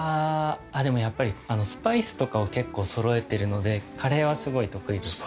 でもやっぱりスパイスとかを結構そろえてるのでカレーはすごい得意です。